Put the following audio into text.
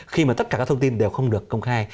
khi mà tất cả các thông tin đều không được công khai